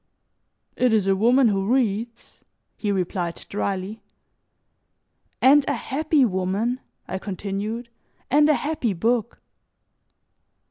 "It is a woman who reads," he replied dryly. "And a happy woman," I continued, "and a happy book."